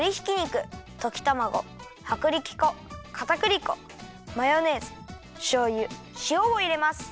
ときたまごはくりき粉かたくり粉マヨネーズしょうゆしおをいれます。